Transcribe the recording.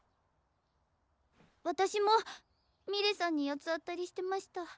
私もミレさんに八つ当たりしてました。